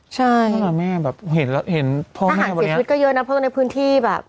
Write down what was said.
ใช่ถ้าห่างเศรษฐฤทธิ์ก็เยอะนะเพราะว่าในพื้นที่แบบ